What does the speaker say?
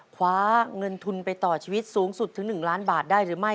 คว้าเงินทุนไปต่อชีวิตสูงสุดถึง๑ล้านบาทได้หรือไม่